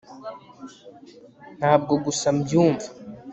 Ntabwo gusa mbyumva